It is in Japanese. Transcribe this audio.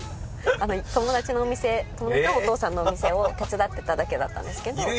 友達のお父さんのお店を手伝ってただけだったんですけど。